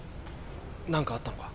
何かあったのか？